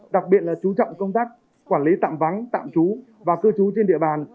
đặc biệt là chú trọng công tác quản lý tạm vắng tạm trú và cư trú trên địa bàn